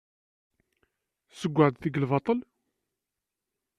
Ssewweɣ-d deg lbaṭel?